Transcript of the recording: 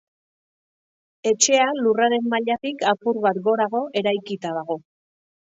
Etxea lurraren mailatik apur bat gorago eraikita dago.